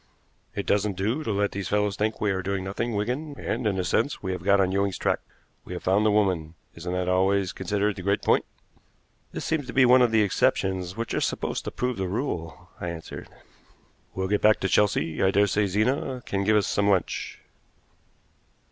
"It doesn't do to let these fellows think we are doing nothing, Wigan; and, in a sense, we have got on Ewing's track. We have found the woman. Isn't that always considered the great point?" "This seems to be one of the exceptions which are supposed to prove the rule," I answered. "We'll get back to Chelsea. I daresay Zena can give us some lunch."